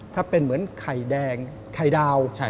ถ้าเป็นเหมือนไข่แดงไข่ดาว